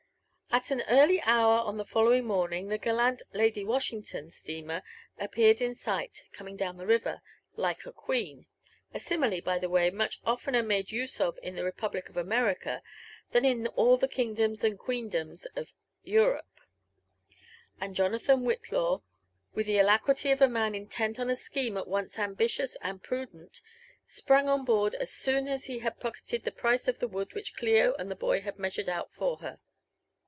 At an early hour on the following morning, the gallant "Lady Washington" steamer appeared in sight, coming down the river *' like I a queen" (a simile, by the way, much oftener made use of in therepub ' lie of America than in all the kingdoms and queendoms of Europe) ; and Jonathan Whillaw, wilh the alacrity of a man intent on a scheme at once ambitious and prudent, sprang on board as soon as he had poc keted the price of the wood which Clio and the boy had measured out for her.